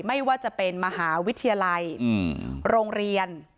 ไม่ว่าจะเป็นมหาวิทยาลัยโรงเรียน